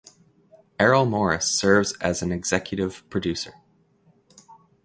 Errol Morris serves as an executive producer.